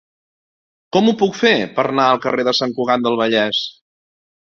Com ho puc fer per anar al carrer de Sant Cugat del Vallès?